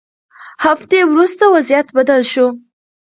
هفتې وروسته وضعیت بدل شو.